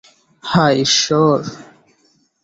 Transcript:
হায় ইশ্বর!